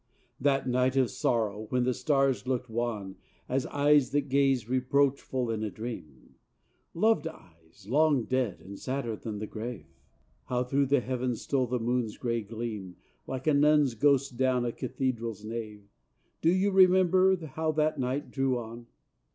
That night of sorrow, when the stars looked wan As eyes that gaze, reproachful, in a dream; Loved eyes, long dead, and sadder than the grave? How through the heaven stole the moon's gray gleam, Like a nun's ghost down a cathedral's nave? Do you remember how that night drew on?